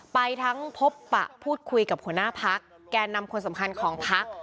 ไปทั้งพบปะพูดคุยกับหัวหน้าพักแก่นำคนสำคัญของพัก